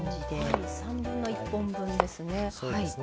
1/3本分ですね。